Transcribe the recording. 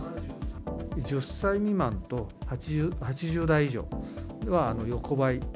１０歳未満と８０代以上は横ばい。